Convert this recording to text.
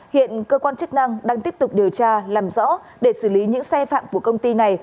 hiện cơ quan chức năng đang tiếp tục điều tra làm rõ để xử lý những sai phạm của công ty này